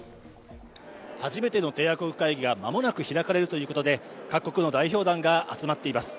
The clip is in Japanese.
初めての締約国会議がまもなく開かれるということで各国の代表団が集まっています。